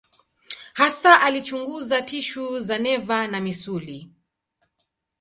Hasa alichunguza tishu za neva na misuli.